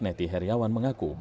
nethi heriawan mengaku